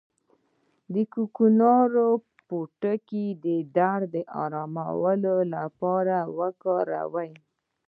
د کوکنارو پوټکی د درد د ارام لپاره وکاروئ